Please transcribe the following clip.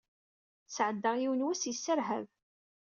Sɛaddaɣ yiwen wass yesserhab.